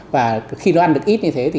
và khi nó ăn được ít như thế thì